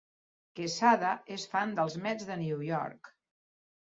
Quesada és fan dels Mets de Nova York.